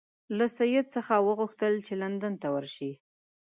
له سید څخه وغوښتل چې لندن ته ورشي.